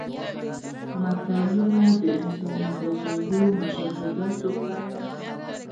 متلونه د انساني تجربو او مشاهداتو پایله ده